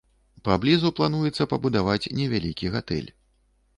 Паблізу плануецца пабудаваць невялікі гатэль.